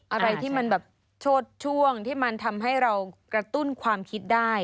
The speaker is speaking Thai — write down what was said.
อะไรที่มันแบบโชดช่วงที่มันทำให้เรากระตุ้นความคิดได้